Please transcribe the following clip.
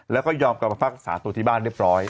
แล้วก็ยอมกลับมารักษาตัวที่บ้านเรียบร้อย